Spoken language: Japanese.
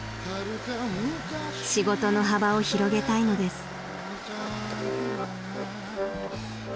［仕事の幅を広げたいのです］